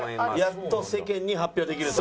やっと世間に発表できると。